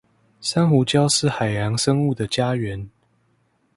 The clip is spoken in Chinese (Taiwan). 珊瑚礁是海洋生物的家園